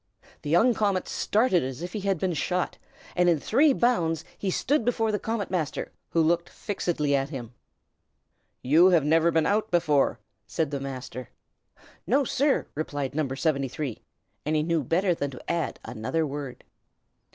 The young comet started as if he had been shot, and in three bounds he stood before the Comet Master, who looked fixedly at him. "You have never been out before," said the Master. "No, sir!" replied No. 73; and he knew better than to add another word.